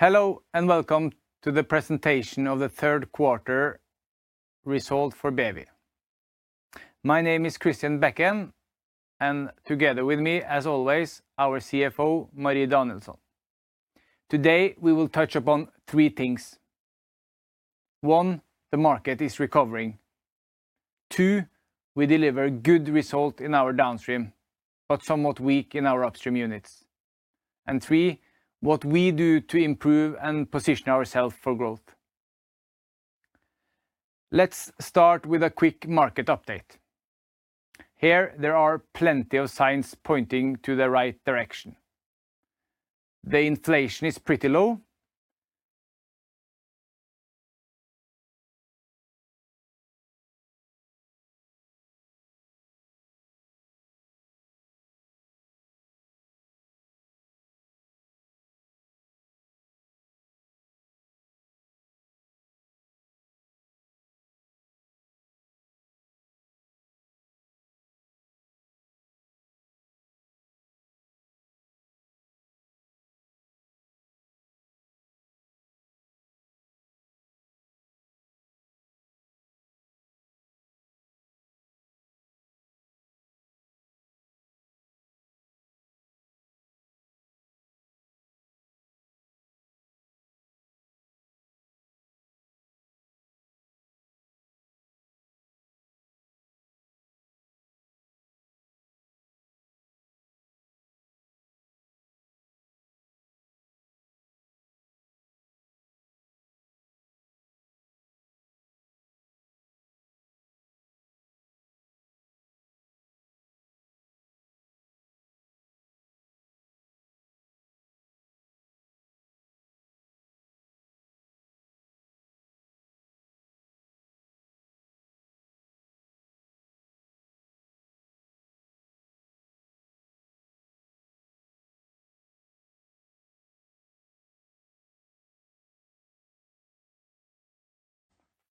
Hello and welcome to the presentation of the Third Quarter Result for BEWI. My name is Christian Bekken, and together with me, as always, our CFO, Marie Danielsson. Today we will touch upon three things. One, the market is recovering. Two, we deliver good results in our downstream, but somewhat weak in our upstream units. And three, what we do to improve and position ourselves for growth. Let's start with a quick market update. Here, there are plenty of signs pointing to the right direction. The inflation is pretty low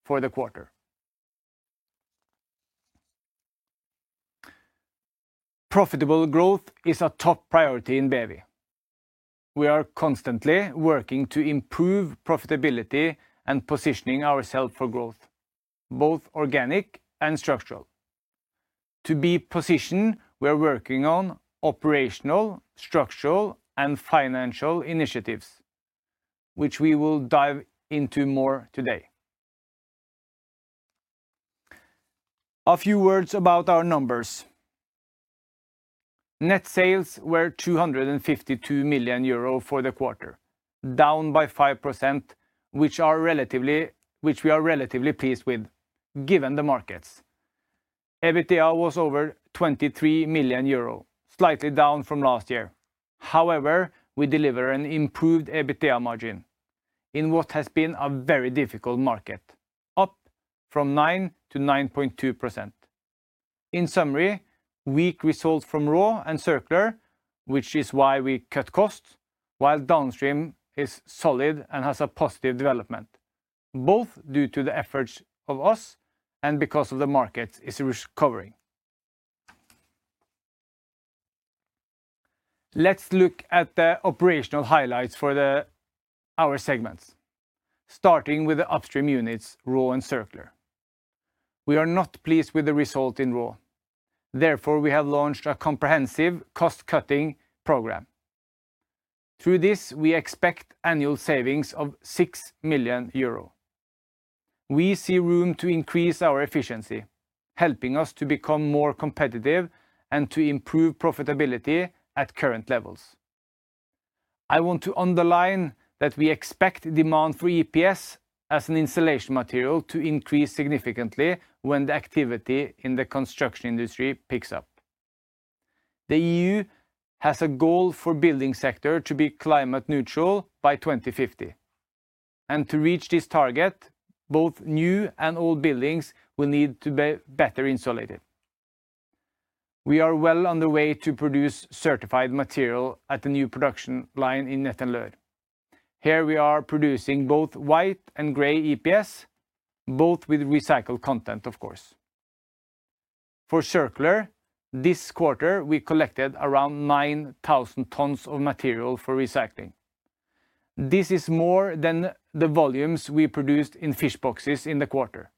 for the quarter. Profitable growth is a top priority in BEWI. We are constantly working to improve profitability and positioning ourselves for growth, both organic and structural. To be positioned, we are working on operational, structural, and financial initiatives, which we will dive into more today. A few words about our numbers. Net sales were 252 million euro for the quarter, down by 5%, which we are relatively pleased with, given the markets. EBITDA was over 23 million euro, slightly down from last year. However, we deliver an improved EBITDA margin in what has been a very difficult market, up from 9% to 9.2%. In summary, weak results from Raw and Circular, which is why we cut costs, while downstream is solid and has a positive development, both due to the efforts of us and because of the markets' recovery. Let's look at the operational highlights for our segments, starting with the upstream units, Raw and Circular. We are not pleased with the result in Raw. Therefore, we have launched a comprehensive cost-cutting program. Through this, we expect annual savings of 6 million euro. We see room to increase our efficiency, helping us to become more competitive and to improve profitability at current levels. I want to underline that we expect demand for EPS as an insulation material to increase significantly when the activity in the construction industry picks up. The EU has a goal for the building sector to be climate neutral by 2050, and to reach this target, both new and old buildings will need to be better insulated. We are well on the way to produce certified material at the new production line in Etten-Leur. Here, we are producing both white and gray EPS, both with recycled content, of course. For Circular, this quarter, we collected around 9,000 tons of material for recycling. This is more than the volumes we produced in fish boxes in the quarter.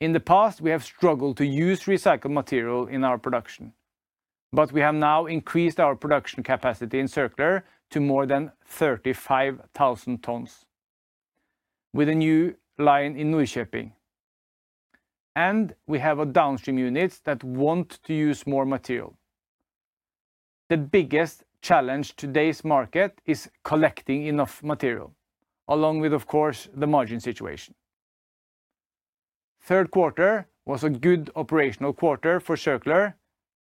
In the past, we have struggled to use recycled material in our production, but we have now increased our production capacity in Circular to more than 35,000 tons with a new line in Norrköping. We have downstream units that want to use more material. The biggest challenge today's market is collecting enough material, along with, of course, the margin situation. The third quarter was a good operational quarter for Circular,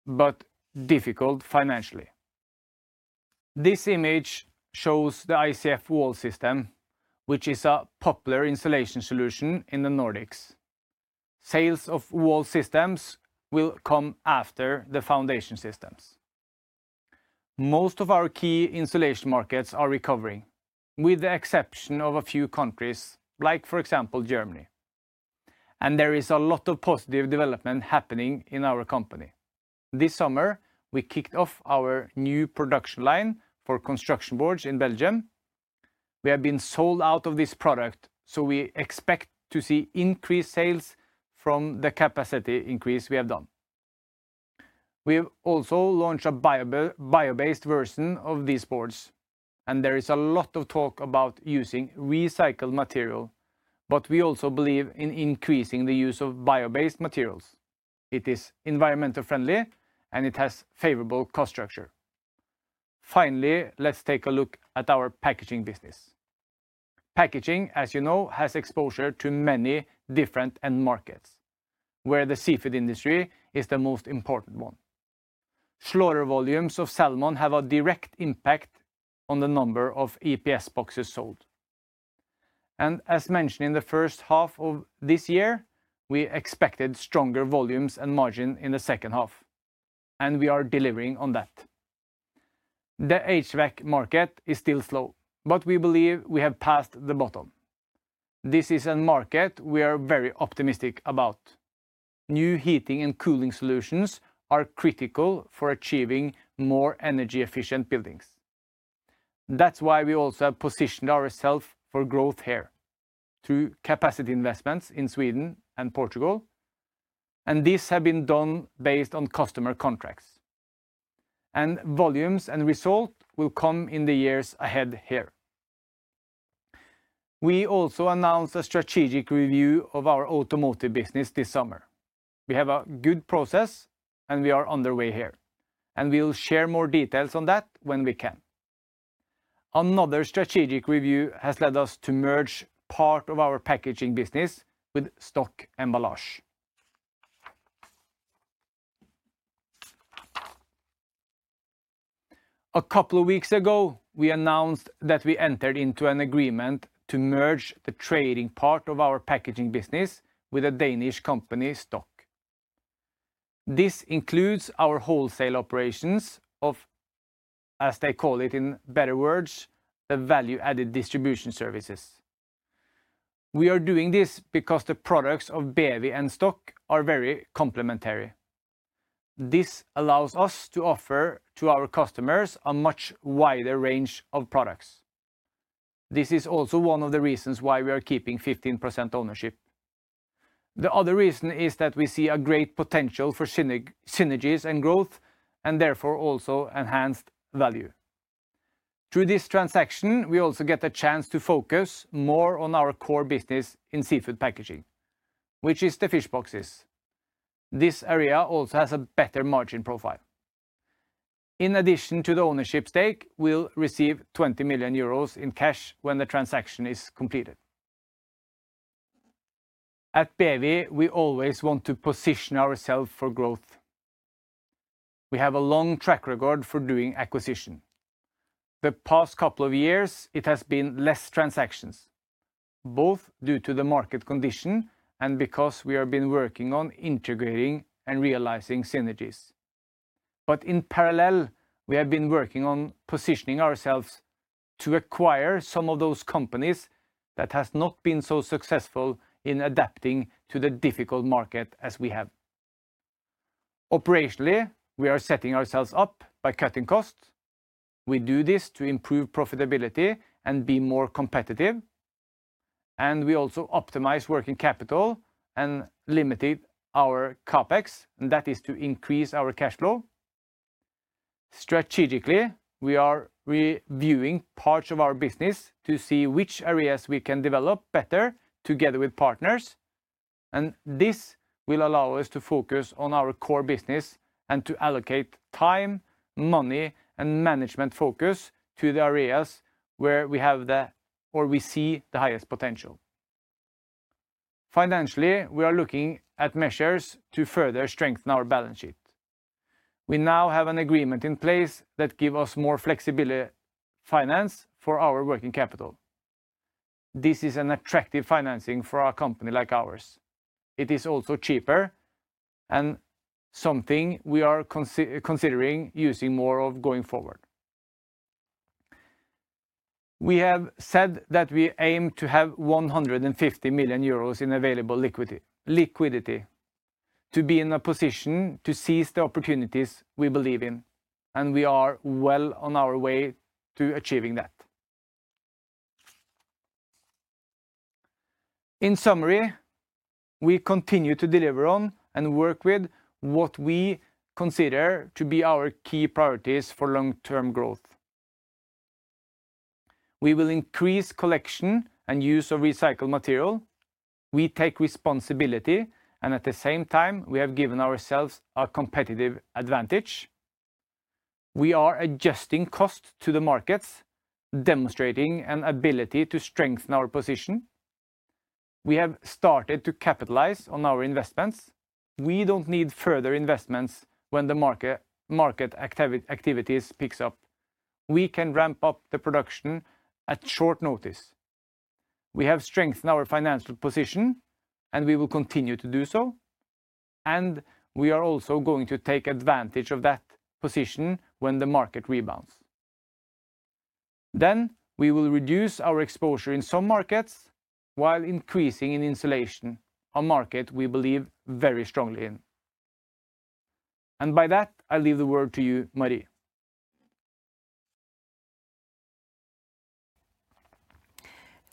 but difficult financially. This image shows the ICF wall system, which is a popular insulation solution in the Nordics. Sales of wall systems will come after the foundation systems. Most of our key insulation markets are recovering, with the exception of a few countries, like for example, Germany. There is a lot of positive development happening in our company. This summer, we kicked off our new production line for construction boards in Belgium. We have been sold out of this product, so we expect to see increased sales from the capacity increase we have done. We have also launched a bio-based version of these boards, and there is a lot of talk about using recycled material, but we also believe in increasing the use of bio-based materials. It is environmentally friendly, and it has a favorable cost structure. Finally, let's take a look at our packaging business. Packaging, as you know, has exposure to many different markets, where the seafood industry is the most important one. Slower volumes of salmon have a direct impact on the number of EPS boxes sold, and as mentioned in the first half of this year, we expected stronger volumes and margin in the second half, and we are delivering on that. The HVAC market is still slow, but we believe we have passed the bottom. This is a market we are very optimistic about. New heating and cooling solutions are critical for achieving more energy-efficient buildings. That's why we also have positioned ourselves for growth here through capacity investments in Sweden and Portugal, and these have been done based on customer contracts. And volumes and results will come in the years ahead here. We also announced a strategic review of our automotive business this summer. We have a good process, and we are on the way here, and we'll share more details on that when we can. Another strategic review has led us to merge part of our packaging business with STOK Emballage. A couple of weeks ago, we announced that we entered into an agreement to merge the trading part of our packaging business with a Danish company, STOK. This includes our wholesale operations of, as they call it in better words, the value-added distribution services. We are doing this because the products of BEWI and STOK are very complementary. This allows us to offer to our customers a much wider range of products. This is also one of the reasons why we are keeping 15% ownership. The other reason is that we see a great potential for synergies and growth, and therefore also enhanced value. Through this transaction, we also get a chance to focus more on our core business in seafood packaging, which is the fish boxes. This area also has a better margin profile. In addition to the ownership stake, we'll receive 20 million euros in cash when the transaction is completed. At BEWI, we always want to position ourselves for growth. We have a long track record for doing acquisitions. The past couple of years, it has been less transactions, both due to the market condition and because we have been working on integrating and realizing synergies. But in parallel, we have been working on positioning ourselves to acquire some of those companies that have not been so successful in adapting to the difficult market as we have. Operationally, we are setting ourselves up by cutting costs. We do this to improve profitability and be more competitive. And we also optimize working capital and limited our CapEx, and that is to increase our cash flow. Strategically, we are reviewing parts of our business to see which areas we can develop better together with partners. And this will allow us to focus on our core business and to allocate time, money, and management focus to the areas where we have the, or we see the highest potential. Financially, we are looking at measures to further strengthen our balance sheet. We now have an agreement in place that gives us more flexible financing for our working capital. This is an attractive financing for a company like ours. It is also cheaper and something we are considering using more of going forward. We have said that we aim to have 150 million euros in available liquidity to be in a position to seize the opportunities we believe in, and we are well on our way to achieving that. In summary, we continue to deliver on and work with what we consider to be our key priorities for long-term growth. We will increase collection and use of recycled material. We take responsibility, and at the same time, we have given ourselves a competitive advantage. We are adjusting costs to the markets, demonstrating an ability to strengthen our position. We have started to capitalize on our investments. We don't need further investments when the market activities pick up. We can ramp up the production at short notice. We have strengthened our financial position, and we will continue to do so. And we are also going to take advantage of that position when the market rebounds. Then we will reduce our exposure in some markets while increasing in insulation, a market we believe very strongly in. And by that, I'll leave the word to you, Marie.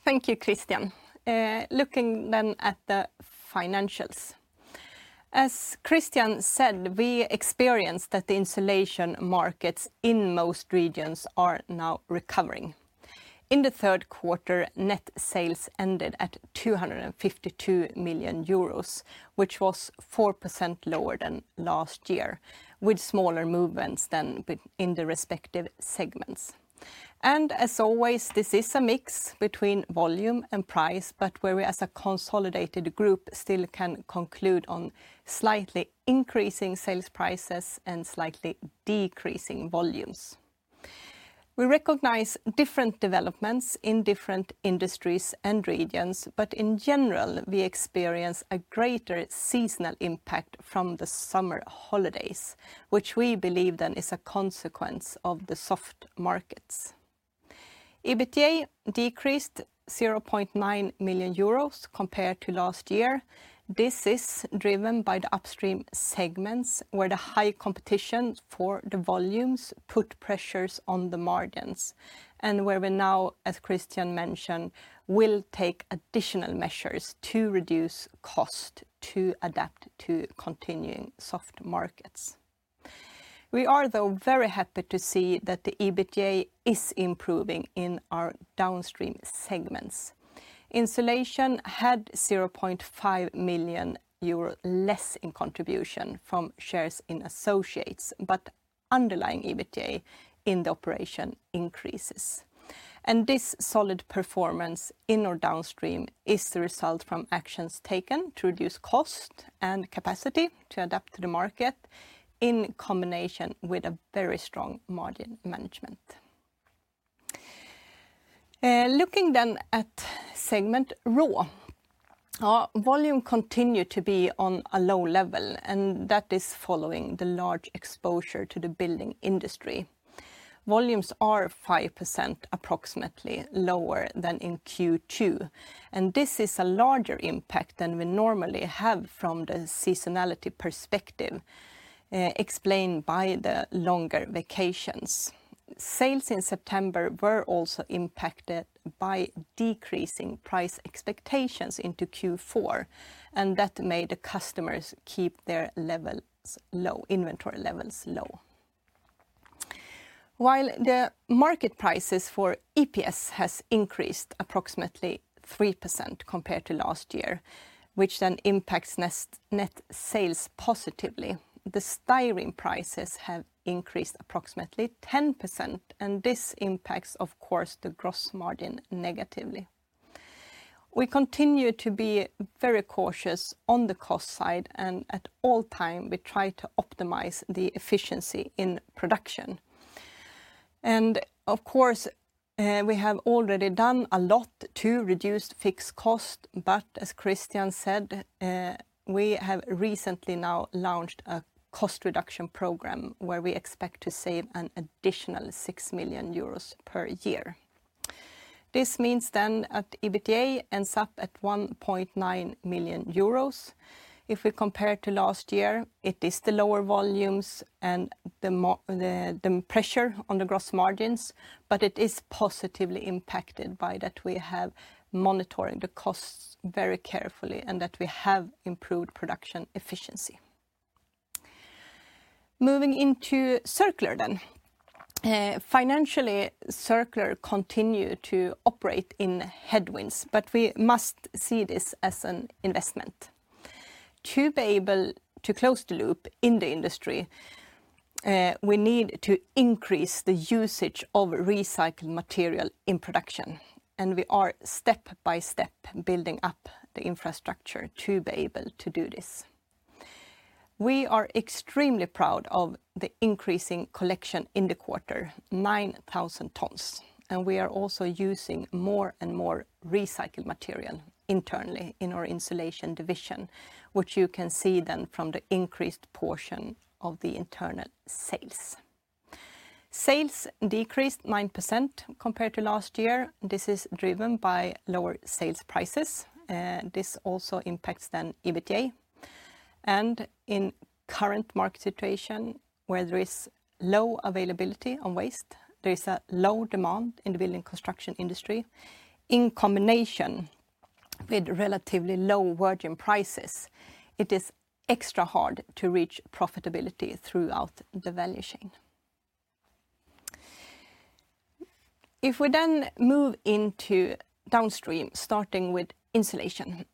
Thank you, Christian. Looking then at the financials. As Christian said, we experienced that the insulation markets in most regions are now recovering. In the third quarter, net sales ended at 252 million euros, which was 4% lower than last year, with smaller movements than in the respective segments. And as always, this is a mix between volume and price, but where we as a consolidated group still can conclude on slightly increasing sales prices and slightly decreasing volumes. We recognize different developments in different industries and regions, but in general, we experience a greater seasonal impact from the summer holidays, which we believe then is a consequence of the soft markets. EBITDA decreased 0.9 million euros compared to last year. This is driven by the upstream segments where the high competition for the volumes put pressures on the margins, and where we now, as Christian mentioned, will take additional measures to reduce costs, to adapt to continuing soft markets. We are though very happy to see that the EBITDA is improving in our downstream segments. Insulation had 0.5 million euro less in contribution from shares in associates, but underlying EBITDA in the operation increases, and this solid performance in our downstream is the result from actions taken to reduce cost and capacity to adapt to the market in combination with a very strong margin management. Looking then at segment Raw, volume continued to be on a low level, and that is following the large exposure to the building industry. Volumes are 5% approximately lower than in Q2, and this is a larger impact than we normally have from the seasonality perspective explained by the longer vacations. Sales in September were also impacted by decreasing price expectations into Q4, and that made the customers keep their levels low, inventory levels low. While the market prices for EPS have increased approximately 3% compared to last year, which then impacts net sales positively, the styrene prices have increased approximately 10%, and this impacts, of course, the gross margin negatively. We continue to be very cautious on the cost side, and at all times we try to optimize the efficiency in production. Of course, we have already done a lot to reduce fixed costs, but as Christian said, we have recently now launched a cost reduction program where we expect to save an additional €6 million per year. This means then that EBITDA ends up at 1.9 million euros. If we compare to last year, it is the lower volumes and the pressure on the gross margins, but it is positively impacted by that we have monitored the costs very carefully and that we have improved production efficiency. Moving into Circular then. Financially, Circular continues to operate in headwinds, but we must see this as an investment. To be able to close the loop in the industry, we need to increase the usage of recycled material in production, and we are step by step building up the infrastructure to be able to do this. We are extremely proud of the increasing collection in the quarter, 9,000 tons, and we are also using more and more recycled material internally in our insulation division, which you can see then from the increased portion of the internal sales. Sales decreased 9% compared to last year. This is driven by lower sales prices. This also impacts then EBITDA, and in the current market situation, where there is low availability on waste, there is a low demand in the building construction industry. In combination with relatively low virgin prices, it is extra hard to reach profitability throughout the value chain. If we then move into downstream, starting with insulation.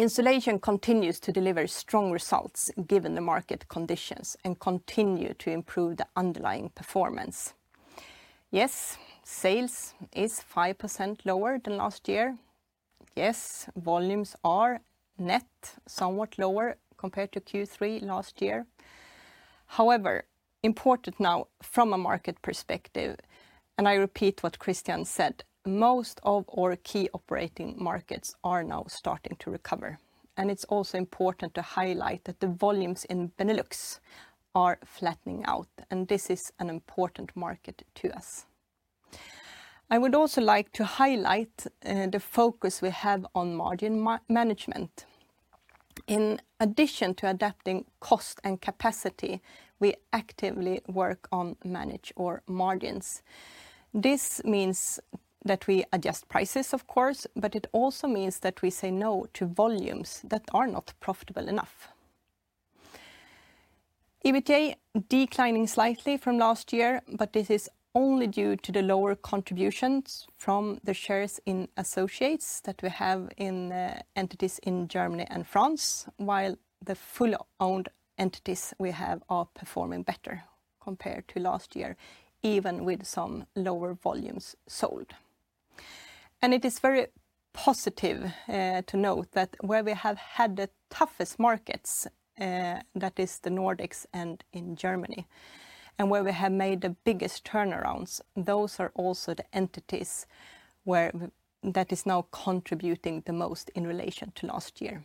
Insulation continues to deliver strong results given the market conditions and continues to improve the underlying performance. Yes, sales are 5% lower than last year. Yes, volumes are net somewhat lower compared to Q3 last year. However, important now from a market perspective, and I repeat what Christian said, most of our key operating markets are now starting to recover, and it's also important to highlight that the volumes in Benelux are flattening out, and this is an important market to us. I would also like to highlight the focus we have on margin management. In addition to adapting cost and capacity, we actively work on managing our margins. This means that we adjust prices, of course, but it also means that we say no to volumes that are not profitable enough. EBITDA is declining slightly from last year, but this is only due to the lower contributions from the shares in associates that we have in entities in Germany and France, while the full-owned entities we have are performing better compared to last year, even with some lower volumes sold. It is very positive to note that where we have had the toughest markets, that is the Nordics and in Germany, and where we have made the biggest turnarounds, those are also the entities where that is now contributing the most in relation to last year.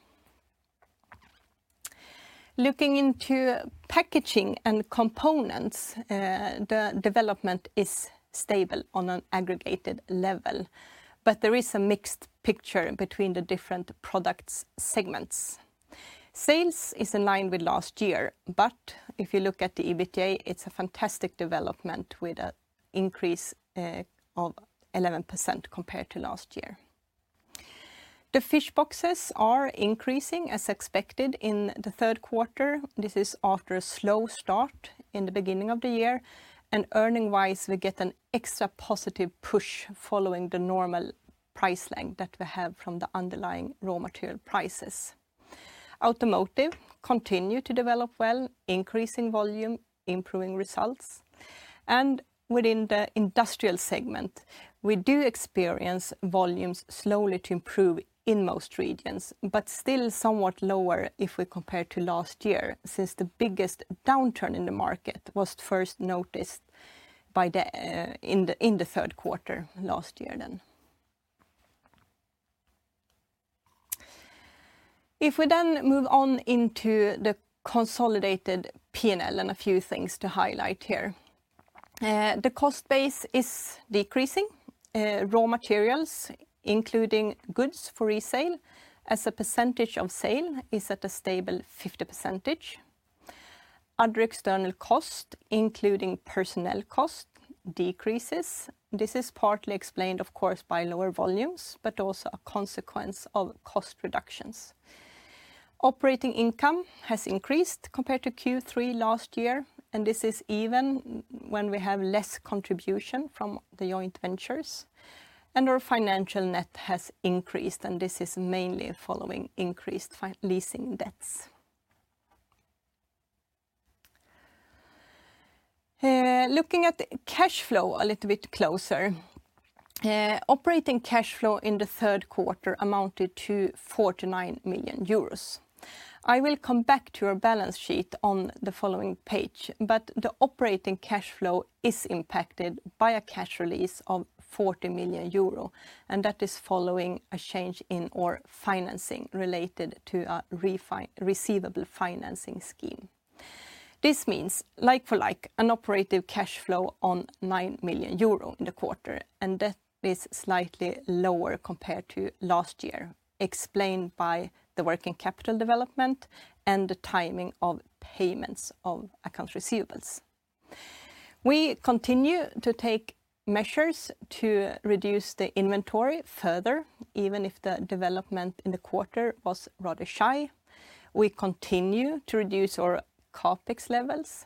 Looking into Packaging & Components, the development is stable on an aggregated level, but there is a mixed picture between the different products segments. Sales are in line with last year, but if you look at the EBITDA, it's a fantastic development with an increase of 11% compared to last year. The fish boxes are increasing as expected in the third quarter. This is after a slow start in the beginning of the year, and earnings-wise, we get an extra positive push following the normal price lag that we have from the underlying raw material prices. Automotive continues to develop well, increasing volume, improving results, and within the industrial segment, we do experience volumes slowly to improve in most regions, but still somewhat lower if we compare to last year since the biggest downturn in the market was first noticed in the third quarter last year then. If we then move on into the consolidated P&L, a few things to highlight here. The cost base is decreasing. Raw materials, including goods for resale, as a percentage of sale is at a stable 50%. Other external costs, including personnel costs, decrease. This is partly explained, of course, by lower volumes, but also a consequence of cost reductions. Operating income has increased compared to Q3 last year, and this is even when we have less contribution from the joint ventures, and our financial net has increased, and this is mainly following increased leasing debts. Looking at cash flow a little bit closer, operating cash flow in the third quarter amounted to 49 million euros. I will come back to your balance sheet on the following page, but the operating cash flow is impacted by a cash release of 40 million euro, and that is following a change in our financing related to a receivable financing scheme. This means, like for like, an operative cash flow of 9 million euro in the quarter, and that is slightly lower compared to last year, explained by the working capital development and the timing of payments of accounts receivables. We continue to take measures to reduce the inventory further, even if the development in the quarter was rather shy. We continue to reduce our CapEx levels,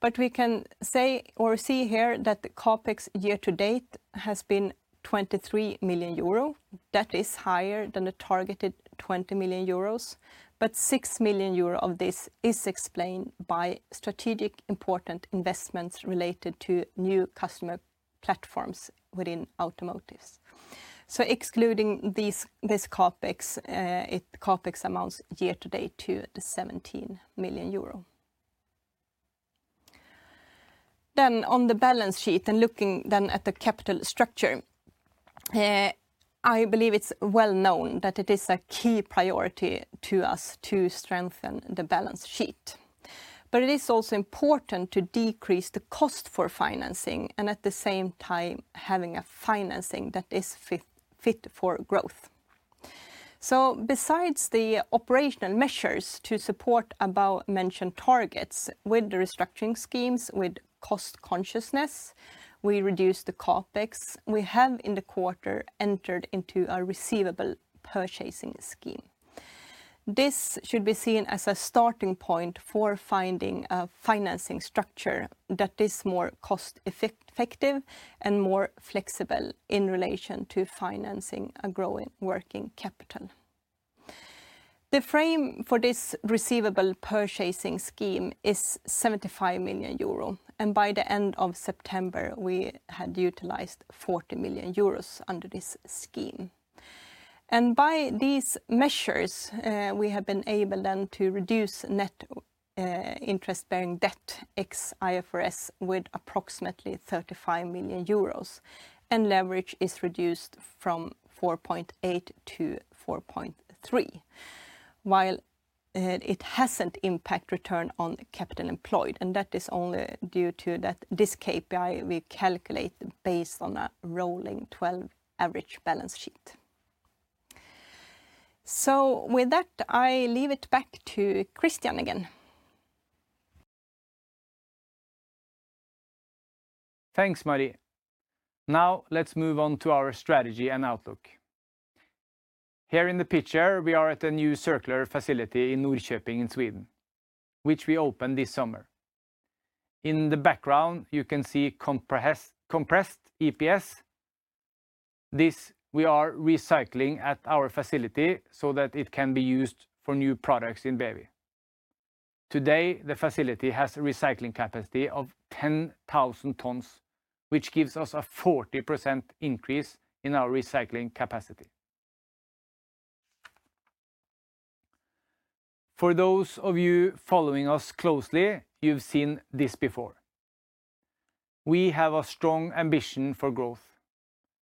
but we can say or see here that the CapEx year to date has been 23 million euro. That is higher than the targeted 20 million euros, but 6 million euro of this is explained by strategic important investments related to new customer platforms within automotives, so excluding this CapEx, its CapEx amounts year to date to 17 million euro, then on the balance sheet and looking then at the capital structure, I believe it's well known that it is a key priority to us to strengthen the balance sheet, but it is also important to decrease the cost for financing and at the same time having a financing that is fit for growth, so besides the operational measures to support above-mentioned targets with the restructuring schemes, with cost consciousness, we reduce the CapEx we have in the quarter, entered into a receivable purchasing scheme. This should be seen as a starting point for finding a financing structure that is more cost-effective and more flexible in relation to financing a growing working capital. The frame for this receivable purchasing scheme is 75 million euro, and by the end of September, we had utilized 40 million euros under this scheme. By these measures, we have been able then to reduce net interest-bearing debt ex IFRS with approximately 35 million euros, and leverage is reduced from 4.8 to 4.3, while it hasn't impacted return on capital employed, and that is only due to that this KPI we calculate based on a rolling 12 average balance sheet. With that, I leave it back to Christian again. Thanks, Marie. Now let's move on to our strategy and outlook. Here in the picture, we are at a new Circular facility in Norrköping in Sweden, which we opened this summer. In the background, you can see compressed EPS. This we are recycling at our facility so that it can be used for new products in BEWI. Today, the facility has a recycling capacity of 10,000 tons, which gives us a 40% increase in our recycling capacity. For those of you following us closely, you've seen this before. We have a strong ambition for growth,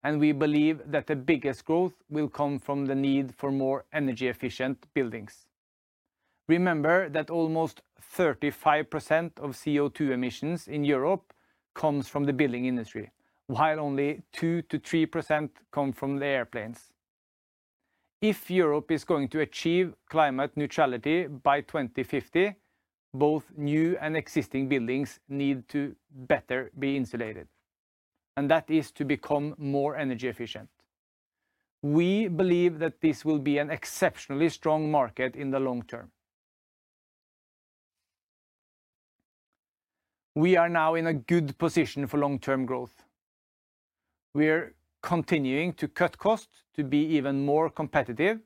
and we believe that the biggest growth will come from the need for more energy-efficient buildings. Remember that almost 35% of CO2 emissions in Europe come from the building industry, while only 2%-3% come from the airplanes. If Europe is going to achieve climate neutrality by 2050, both new and existing buildings need to better be insulated, and that is to become more energy efficient. We believe that this will be an exceptionally strong market in the long term. We are now in a good position for long-term growth. We are continuing to cut costs to be even more competitive.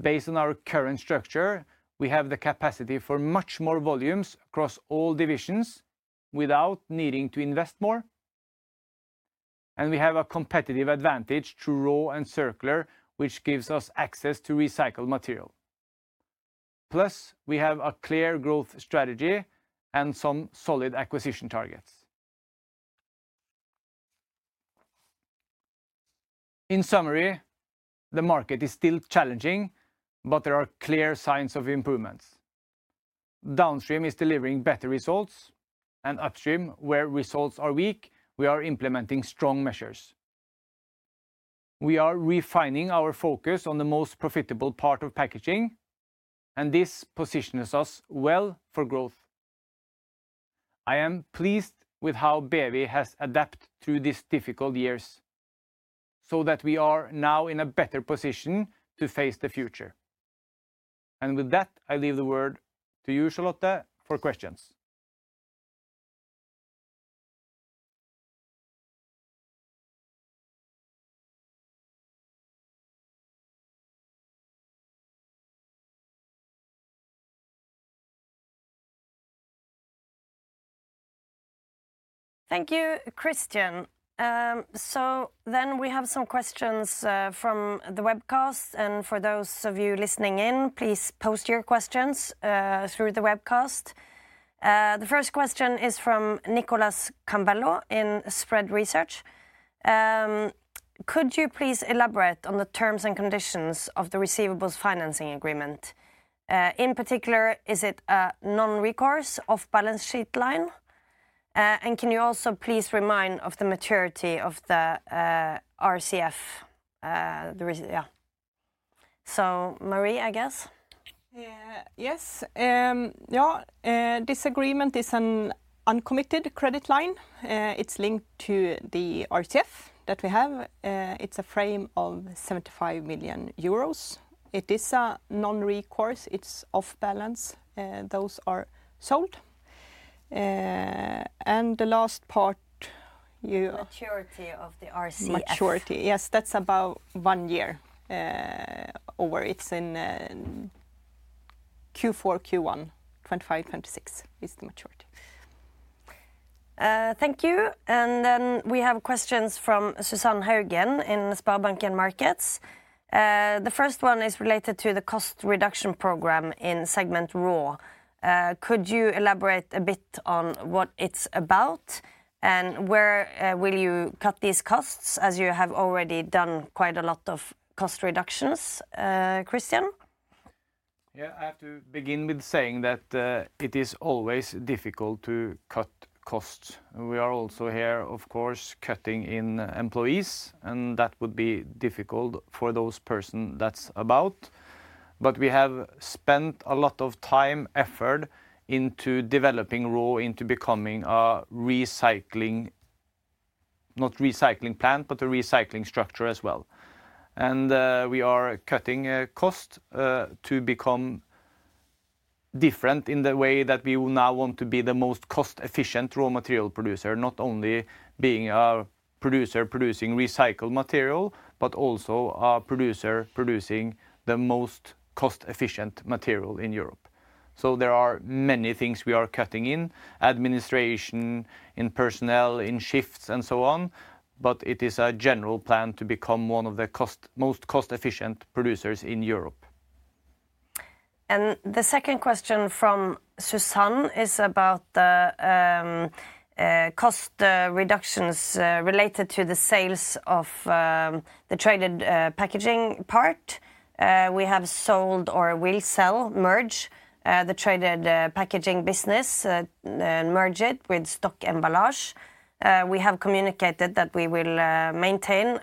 Based on our current structure, we have the capacity for much more volumes across all divisions without needing to invest more. And we have a competitive advantage to Raw and Circular, which gives us access to recycled material. Plus, we have a clear growth strategy and some solid acquisition targets. In summary, the market is still challenging, but there are clear signs of improvements. Downstream is delivering better results, and Upstream, where results are weak, we are implementing strong measures. We are refining our focus on the most profitable part of packaging, and this positions us well for growth. I am pleased with how BEWI has adapted through these difficult years so that we are now in a better position to face the future. With that, I leave the word to you, Charlotte, for questions. Thank you, Christian. We have some questions from the webcast, and for those of you listening in, please post your questions through the webcast. The first question is from Nicolas Champvillard in Spread Research. Could you please elaborate on the terms and conditions of the receivables financing agreement? In particular, is it a non-recourse off-balance sheet line? And can you also please remind of the maturity of the RCF? Yeah. So, Marie, I guess. Yes. This agreement is an uncommitted credit line. It's linked to the RCF that we have. It's a frame of € 75 million. It is a non-recourse. It's off-balance. Those are sold. And the last part, The maturity of the RCF. Maturity, yes. That's about one year over. It's in Q4, Q1, 2025, 2026 is the maturity. Thank you. And then we have questions from Susanne Høgen in SpareBank 1 Markets. The first one is related to the cost reduction program in segment Raw. Could you elaborate a bit on what it's about and where will you cut these costs as you have already done quite a lot of cost reductions, Christian? Yeah, I have to begin with saying that it is always difficult to cut costs. We are also here, of course, cutting in employees, and that would be difficult for those persons that's about. But we have spent a lot of time, effort into developing Raw into becoming a recycling, not recycling plant, but a recycling structure as well. We are cutting costs to become different in the way that we now want to be the most cost-efficient raw material producer, not only being a producer producing recycled material, but also a producer producing the most cost-efficient material in Europe. There are many things we are cutting in, administration in personnel, in shifts, and so on, but it is a general plan to become one of the most cost-efficient producers in Europe. The second question from Susanne is about the cost reductions related to the sales of the traded packaging part. We have sold or will sell, merge the traded packaging business, merge it with STOK Emballage. We have communicated that we will maintain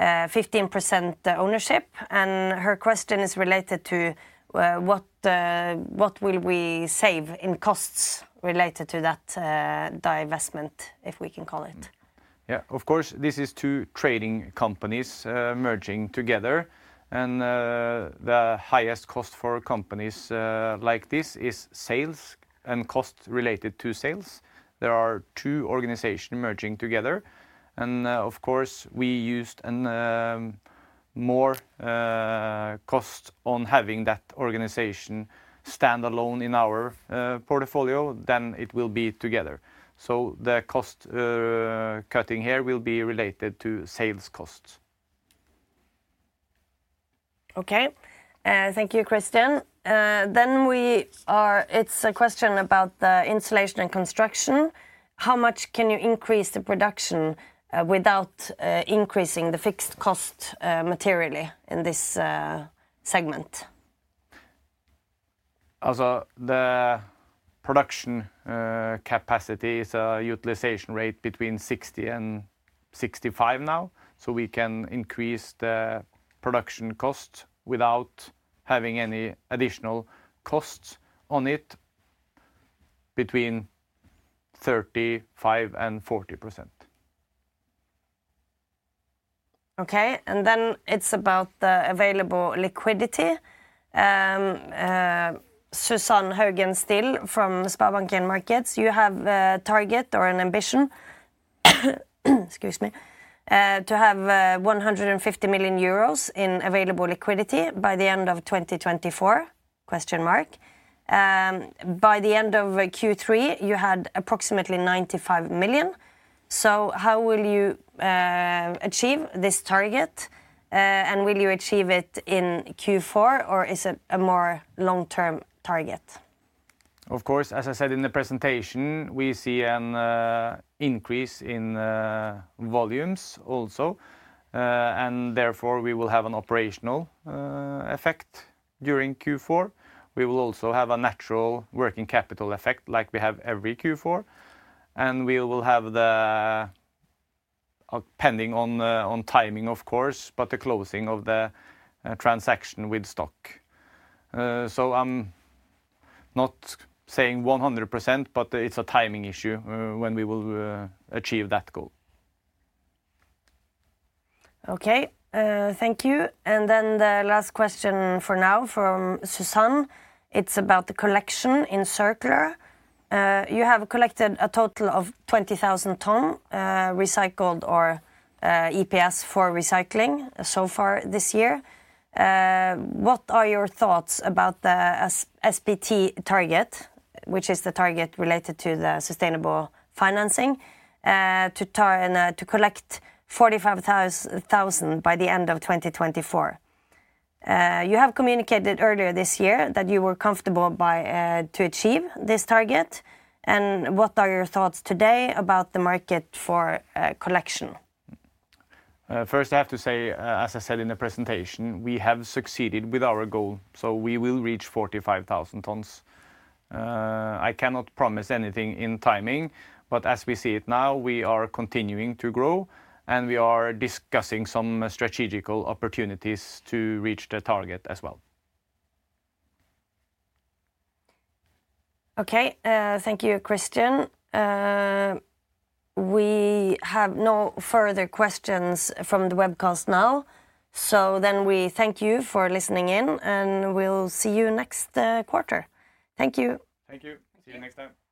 15% ownership, and her question is related to what will we save in costs related to that divestment, if we can call it. Yeah, of course, this is two trading companies merging together, and the highest cost for companies like this is sales and costs related to sales. There are two organizations merging together, and of course, we used more costs on having that organization stand alone in our portfolio than it will be together. So the cost cutting here will be related to sales costs. Okay, thank you, Christian. Then we are, it's a question about the insulation and construction. How much can you increase the production without increasing the fixed cost materially in this segment? The production capacity is a utilization rate between 60% and 65% now, so we can increase the production costs without having any additional costs on it between 35% and 40%. Okay, and then it's about the available liquidity. Susanne Høgen from SpareBank 1 Markets, you have a target or an ambition, excuse me, to have 150 million euros in available liquidity by the end of 2024? By the end of Q3, you had approximately 95 million. So how will you achieve this target, and will you achieve it in Q4, or is it a more long-term target? Of course, as I said in the presentation, we see an increase in volumes also, and therefore we will have an operational effect during Q4. We will also have a natural working capital effect like we have every Q4, and we will have the, depending on timing, of course, but the closing of the transaction with STOK. So I'm not saying 100%, but it's a timing issue when we will achieve that goal. Okay, thank you. And then the last question for now from Susanne. It's about the collection in Circular. You have collected a total of 20,000 tons of recycled EPS for recycling so far this year. What are your thoughts about the SBT target, which is the target related to the sustainable financing to collect 45,000 tons by the end of 2024? You have communicated earlier this year that you were comfortable to achieve this target, and what are your thoughts today about the market for collection? First, I have to say, as I said in the presentation, we have succeeded with our goal, so we will reach 45,000 tons. I cannot promise anything in timing, but as we see it now, we are continuing to grow, and we are discussing some strategic opportunities to reach the target as well. Okay, thank you, Christian. We have no further questions from the webcast now, so then we thank you for listening in, and we'll see you next quarter. Thank you. Thank you. See you next time.